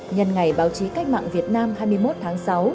nhân ngày báo chí cách mạng việt nam hai mươi một tháng sáu